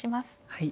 はい。